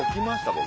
僕